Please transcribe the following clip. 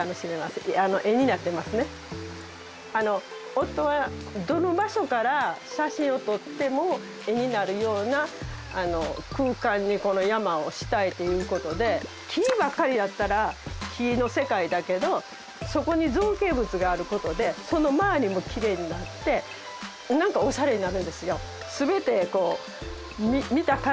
夫はどの場所から写真を撮っても絵になるような空間にこの山をしたいという事で木ばっかりだったら木の世界だけどそこに造形物がある事でその周りもキレイになってなんかオシャレになるんですよ。